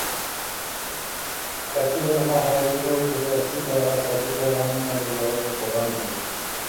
حرکي برخه حرکي غړو ته د عصبي پیغامونو لېږدولو په غاړه لري.